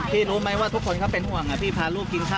พี่โทรกลับไปพักค่ะ